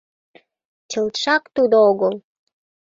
— Чылтшак тудо огыл.